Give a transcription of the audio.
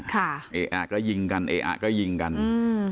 ค่ะเออะก็ยิงกันเออะก็ยิงกันอืม